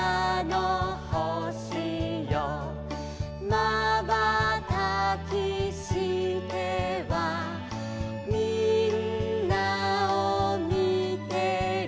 「まばたきしてはみんなをみてる」